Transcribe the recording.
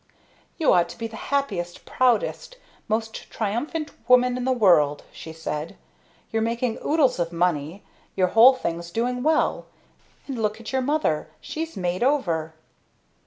"You ought to be the happiest, proudest, most triumphant woman in the world!" she said. "You're making oodles of money, your whole thing's going well, and look at your mother she's made over!"